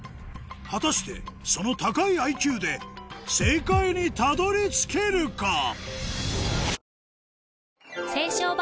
果たしてその高いＩＱで正解にたどり着けるか？